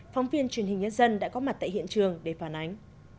phóng viên truyền hình nhân dân đã có mặt tại hiện trường để phản ánh